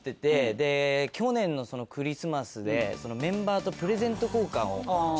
で去年のクリスマスでメンバーとプレゼント交換をしたんですけど。